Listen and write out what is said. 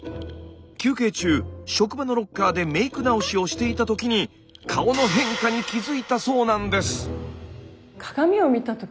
休憩中職場のロッカーでメーク直しをしていた時に顔の変化に気付いたそうなんです。